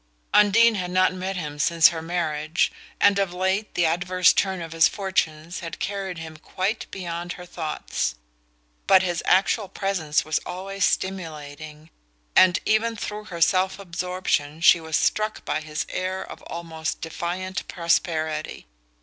Undine had not met him since her marriage, and of late the adverse turn of his fortunes had carried him quite beyond her thoughts. But his actual presence was always stimulating, and even through her self absorption she was struck by his air of almost defiant prosperity.